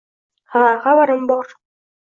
Ha, xabarim bor